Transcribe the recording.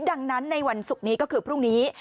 ดังนั้นในวันศุกร์นี้ก็คือพรุ่งนี้